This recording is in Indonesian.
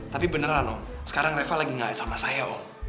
tapi beneran dong sekarang reva lagi ngeliat sama saya om